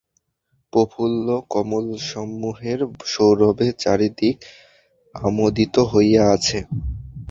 প্রফুল্ল কমলসমূহের সৌরভে চারি দিক আমোদিত হইয়া আছে।